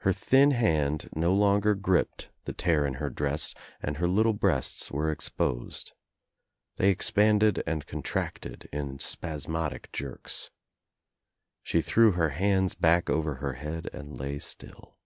Her thin hand no longer gripped the tear In her dress and her little breasts were exposed. They expanded and contracted in spasmodic jerks. She threw her hands back over her head and lay still.